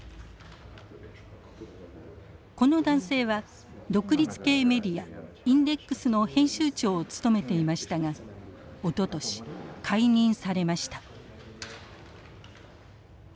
この男性は独立系メディアインデックスの編集長を務めていましたがおととし解任されました。